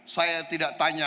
saya tidak tanya